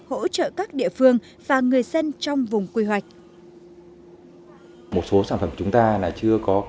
hỗ trợ các địa phương và người dân trong vùng quy hoạch